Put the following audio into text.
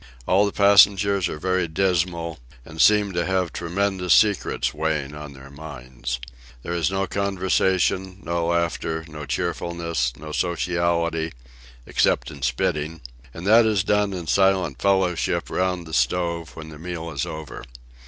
All the passengers are very dismal, and seem to have tremendous secrets weighing on their minds. There is no conversation, no laughter, no cheerfulness, no sociality, except in spitting; and that is done in silent fellowship round the stove, when the meal is over.